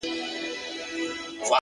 • ماتم دی په دې ښار کي جنازې دي چي راځي,